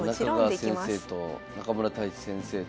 中川先生と中村太地先生と。